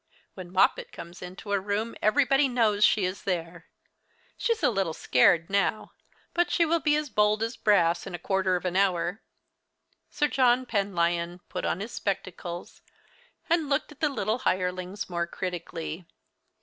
When Moppet comes into a room everybody knows she is there. She is a little scared now; but she will be as bold as brass in a quarter of an hour." Sir John Penlyon put on his spectacles and looked at the little hirelings more critically.